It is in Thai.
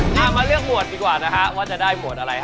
ถ้ามาเลือกหมวดดีกว่านะฮะว่าจะได้หมวดอะไรฮะ